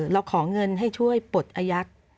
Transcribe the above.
เราขอเงินให้ช่วยปลดอายักษ์